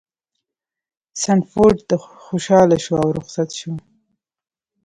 سنډفورډ خوشحاله شو او رخصت شو.